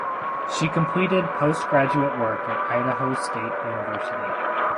She completed postgraduate work at Idaho State University.